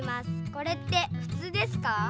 これってふつうですか？